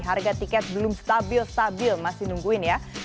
harga tiket belum stabil stabil masih nungguin ya